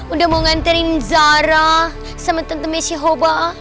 udah mau nganterin zara sama tante messi hoba